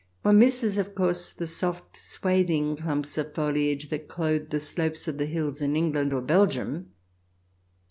One misses, of course, the soft, swathing clumps of foliage that clothe the slopes of the hills in England or Belgium.